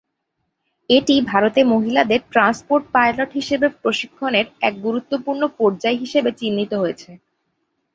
এটি ভারতে মহিলাদের ট্রান্সপোর্ট পাইলট হিসাবে প্রশিক্ষণের এক গুরুত্বপূর্ণ পর্যায় হিসেবে চিহ্নিত হয়েছে।